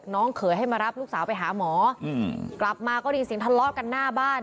น้องสาวไปหาหมอกลับมาก็ยินเสียงทะเลาะกันหน้าบ้าน